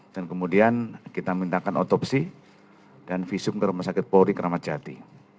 dan kemudian kita minta otopsi dan visum ke rumah sakit pauli kramadjati